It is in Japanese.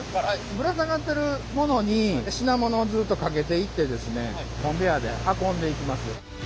ぶら下がってるものに品物をずっとかけていってですねコンベヤーで運んでいきます。